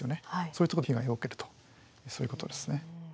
そういうとこで被害を受けるとそういうことですね。